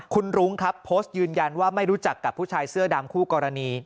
คุณรุ้งครับโพสต์ยืนยันว่าไม่รู้จักกับผู้ชายเสื้อดำคู่กรณี